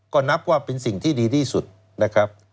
ก็นับว่าเป็นสิ่งที่ดีที่สุดนะครับ